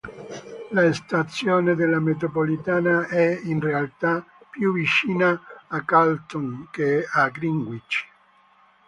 La stazione della metropolitana è in realtà più vicina a Charlton che a Greenwich.